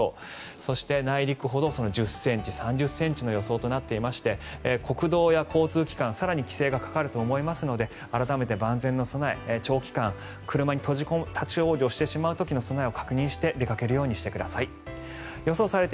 そして、内陸ほど１０ｃｍ、３０ｃｍの予想となっていまして国道や交通機関更に規制がかかると思いますので改めて万全の備え長時間、車で立ち往生してしまう時の備えも確認して出かけるようにしてください。